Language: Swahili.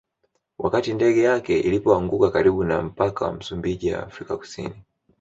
Wakati ndege yake ilipoanguka karibu na mpaka wa Msumbiji na Afrika Kusini